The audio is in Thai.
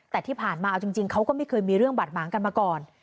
แต่ที่ผ่านมาเอาจริงเขาก็ไม่เคยมีเรื่องบาดหมางกันมาก่อน